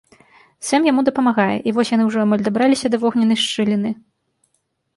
Сэм яму дапамагае, і вось яны ўжо амаль дабраліся да вогненнай шчыліны.